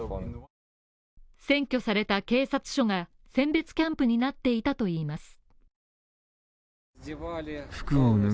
占拠された警察署が選別キャンプになっていたといいます。